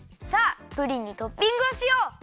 さあプリンにトッピングをしよう！